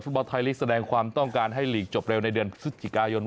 บอลไทยลีกแสดงความต้องการให้ลีกจบเร็วในเดือนพฤศจิกายน